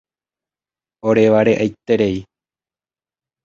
Orevare'aiterei.